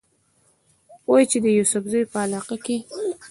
وايي چې د يوسفزو پۀ علاقه کښې